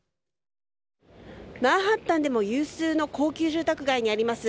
マンハッタンでも有数の高級住宅街にあります